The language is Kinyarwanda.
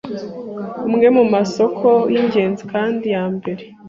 Imwe mumasoko yingenzi kandi yambere